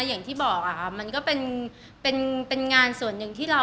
อย่างที่บอกค่ะมันก็เป็นงานส่วนหนึ่งที่เรา